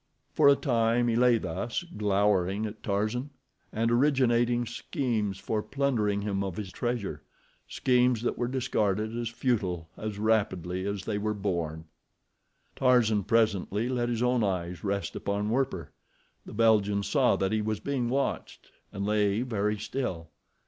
For a time he lay thus, glowering at Tarzan, and originating schemes for plundering him of his treasure—schemes that were discarded as futile as rapidly as they were born. Tarzan presently let his own eyes rest upon Werper. The Belgian saw that he was being watched, and lay very still.